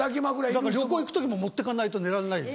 だから旅行行く時も持って行かないと寝られないの。